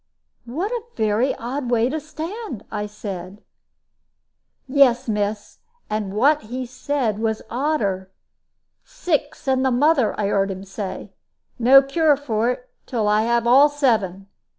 "What a very odd way to stand!" I said. "Yes, miss. And what he said was odder. 'Six, and the mother!' I heared un say; 'no cure for it, till I have all seven.'